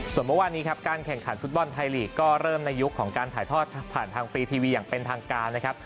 ส่วนเมื่อวานนี้ครับการแข่งขันฟุตบอลไทยลีกก็เริ่มในยุคของการถ่ายทอดผ่านทางซีทีวีอย่างเป็นทางการนะครับ